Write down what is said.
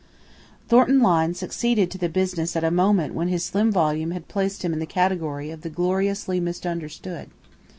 Thornton Lyne succeeded to the business at a moment when his slim volume had placed him in the category of the gloriously misunderstood.